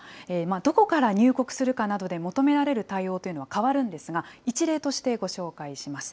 どこから入国するかなどで求められる対応というのは変わるんですが、一例としてご紹介します。